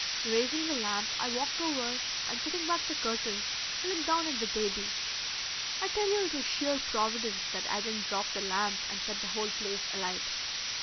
Raising the lamp I walked over and putting back the curtains I looked down at the baby. I tell you it was sheer Providence that I didn't drop that lamp and set the whole place alight.